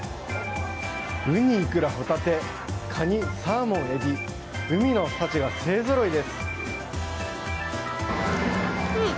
ウニ、イクラ、ホタテカニ、サーモン、エビ海の幸が勢揃いです。